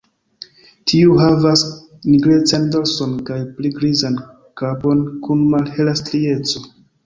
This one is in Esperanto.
Tiu havas nigrecan dorson kaj pli grizan kapon kun malhela strieco.